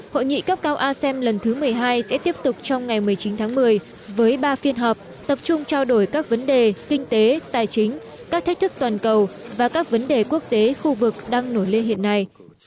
hội nghị cấp cao asem lần thứ một mươi hai sẽ tiếp tục trong ngày một mươi chín tháng một mươi với ba phiên họp tập trung trao đổi các vấn đề kinh tế tài chính các thách thức toàn cầu và các vấn đề quốc tế khu vực đang nổi lên hiện nay